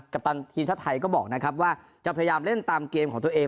ปตันทีมชาติไทยก็บอกนะครับว่าจะพยายามเล่นตามเกมของตัวเอง